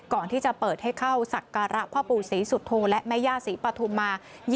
ก่อนที่จะเปิดให้เข้าสักการะพศสุทธูและมศปธุมา